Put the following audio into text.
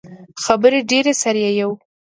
خبرې ډیرې سر ئې یؤ